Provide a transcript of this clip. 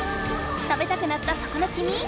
食べたくなったそこのキミ！